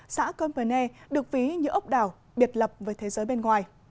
xã converne được ví như ốc đảo biệt lập với thế giới bên ngoài